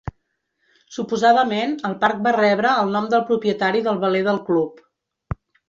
Suposadament el parc va rebre el nom del propietari del veler del club.